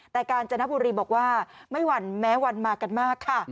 แต่กาญจนบุรีบอกว่าไม่หวั่นแม้วันมากันมากค่ะ